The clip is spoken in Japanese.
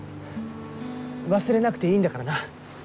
忘れなくていいんだからな。